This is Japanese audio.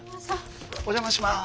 お邪魔します。